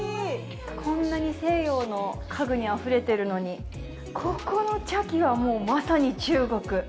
こんなに西洋の家具にあふれてるのに、ここの茶器は、もうまさに中国！